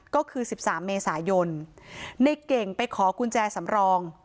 ก็คือ๑๓เมษายนในเก่งไปขอกุญแจสำรอง